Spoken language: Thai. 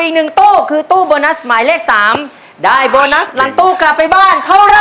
อีกหนึ่งตู้คือตู้โบนัสหมายเลข๓ได้โบนัสหลังตู้กลับไปบ้านเท่าไร